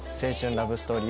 ラブストーリー